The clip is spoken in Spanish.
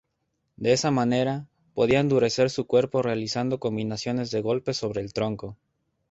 De esa manera, podía endurecer su cuerpo realizando combinaciones de golpes sobre el tronco.